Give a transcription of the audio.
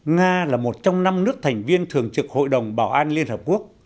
nga là một trong năm nước thành viên thường trực hội đồng bảo an liên hợp quốc